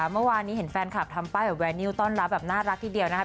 เมื่อวานนี้เห็นแฟนคลับทำป้ายแบบแวนิวต้อนรับแบบน่ารักทีเดียวนะครับ